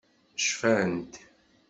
Cfant.